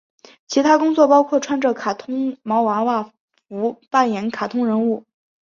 其他工作包括穿着卡通毛娃娃服扮演卡通人物。